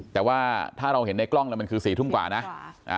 แต่ว่าถ้าเราเห็นในกล้องแล้วมันคือ๔ทุ่มกว่านะ